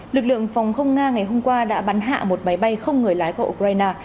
lực lượng phòng không nga ngày hôm qua đã bắn hạ một máy bay không người lái của ukraine